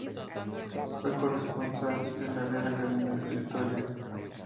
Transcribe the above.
Fue corresponsal de la Real Academia de la Historia.